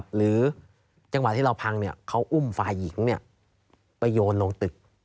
หรือจังหวะที่เราพังเขาอุ้มฝ่ายหญิงไปโยนลงตึก